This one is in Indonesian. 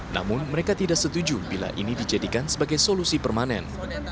namun mereka tidak setuju bila ini dijadikan sebagai solusi permanen